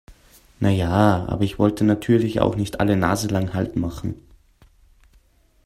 Na ja, aber ich wollte natürlich auch nicht alle naselang Halt machen.